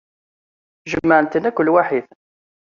Jemɛemt-ten kan lwaḥid.